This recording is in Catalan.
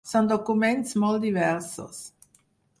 Són documents molt diversos.